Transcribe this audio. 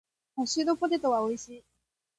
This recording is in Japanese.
ハッシュドポテトは美味しい。